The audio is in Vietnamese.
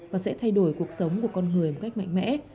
và sẽ thay đổi cuộc sống của con người một cách mạnh mẽ